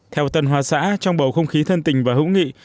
theo tân hoa xã trong bầu không khí thân tình và hữu nghị